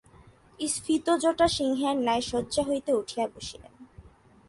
স্ফীতজটা সিংহের ন্যায় শয্যা হইতে উঠিয়া বসিলেন।